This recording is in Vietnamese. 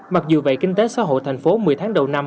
mặc dù vậy kinh tế xã hội thành phố một mươi tháng đầu năm